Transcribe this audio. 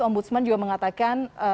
ombudsman juga mengatakan